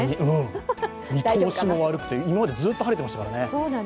見通しも悪くて、今までずっと晴れてましたからね。